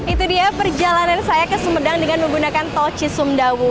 itu dia perjalanan saya ke sumedang dengan menggunakan tol cisumdawu